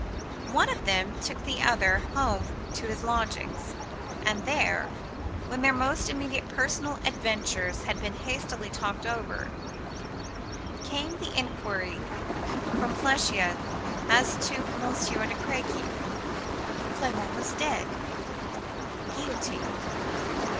One of them took the other home to his lodgings; and there, when their most immediate personal adventures had been hastily talked over, came the inquiry from Flechier as to Monsieur de Crequy "'Clement was dead—guillotined.